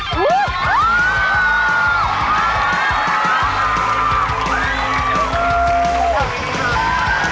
โชว์จากปริศนามหาสนุกหมายเลขหนึ่ง